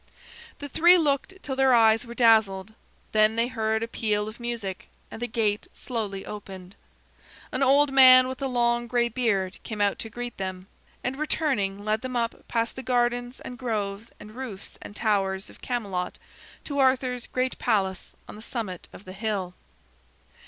The three looked till their eyes were dazzled. Then they heard a peal of music, and the gate slowly opened. An old man with a long gray beard came out to greet them, and returning led them up past the gardens and groves and roofs and towers of Camelot to Arthur's great palace on the summit of the hill.